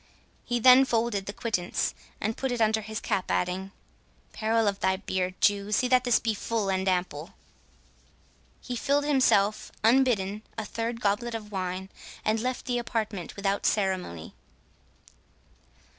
He then folded the quittance, and put it under his cap, adding,—"Peril of thy beard, Jew, see that this be full and ample!" He filled himself unbidden, a third goblet of wine, and left the apartment without ceremony.